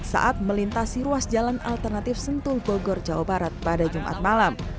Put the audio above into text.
saat melintasi ruas jalan alternatif sentul bogor jawa barat pada jumat malam